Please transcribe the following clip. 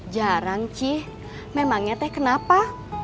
jarang cih memangnya teh kenapa